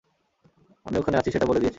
আমি এখানে আছি সেটা বলে দিয়েছেন?